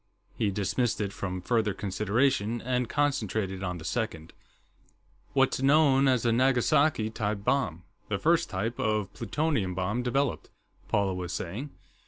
He dismissed it from further consideration and concentrated on the second. "... what's known as a Nagasaki type bomb, the first type of plutonium bomb developed," Paula was saying.